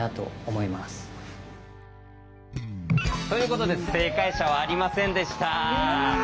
ということで正解者はありませんでした。